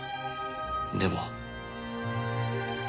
でも。